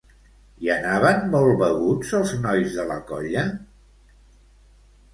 Hi anaven molt beguts els nois de la colla?